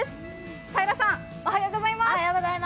平良さん、おめでとうございます。